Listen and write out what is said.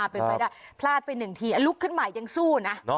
ไปพลาดไปหนึ่งทีลุกขึ้นใหม่ยังสู้นะ